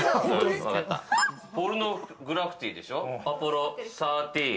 ポルノグラフィティでしょ、アポロ１３。